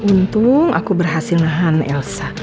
untung aku berhasil nahan elsa